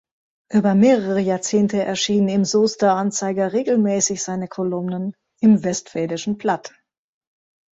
Über mehrere Jahrzehnte erschienen im Soester Anzeiger regelmäßig seine Kolumnen im Westfälischen Platt.